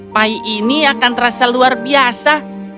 pai ini akan terasa luar biasa